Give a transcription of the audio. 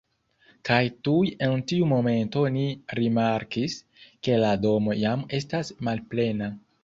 Kaj tuj en tiu momento ni rimarkis, ke la domo jam estas malplena